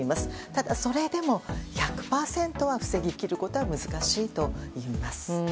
ただ、それでも１００％防ぎきることは難しいと言います。